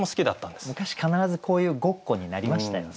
昔必ずこういうごっこになりましたよね。